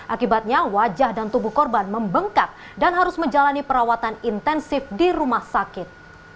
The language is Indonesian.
akibatnya wajah dan tubuh korban membengkak dan harus menjalani perawatan intensif di rumah sakit